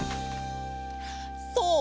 そう！